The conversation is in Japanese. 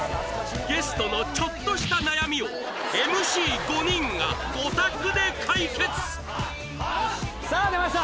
ゲストのちょっとした悩みをＭＣ５人がゴタクで解決さぁ出ました。